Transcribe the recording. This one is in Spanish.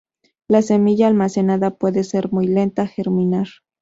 La semilla almacenada puede ser muy lenta germinar.